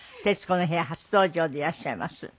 『徹子の部屋』初登場でいらっしゃいます。